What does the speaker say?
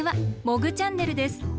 「モグチャンネル」です。